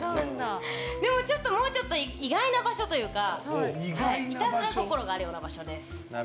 もうちょっと意外な場所というかいたずら心があるような場所です。